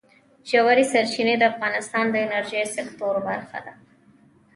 ژورې سرچینې د افغانستان د انرژۍ سکتور برخه ده.